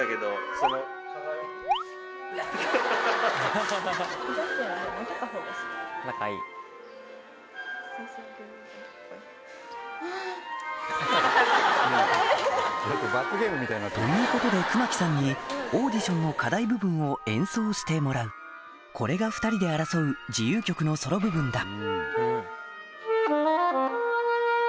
ハハハ。ということで熊木さんにオーディションの課題部分を演奏してもらうこれが２人で争う自由曲のソロ部分だ